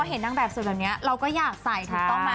แต่พอเห็นนั่งแบบสวยแบบเนี่ยเราก็อยากใส่ถูกต้องมั้ย